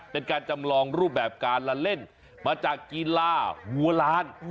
เป็นการจำลองรูปแบบการละเล่นมาจากกีฬาวัวลาน